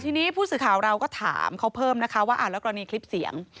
ทีนี้ผู้สื่อข่าวเราก็ถามเขาเพิ่มนะคะว่าแล้วกรณีคลิปเสียง